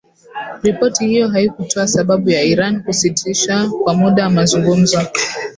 Ripoti hiyo haikutoa sababu ya Iran kusitisha kwa muda mazungumzo.